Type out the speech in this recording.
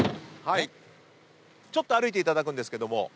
ちょっと歩いていただくんですけども。